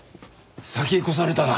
先越されたな。